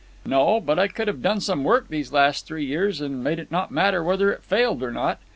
"No; but I could have done some work these last three years and made it not matter whether it failed or not.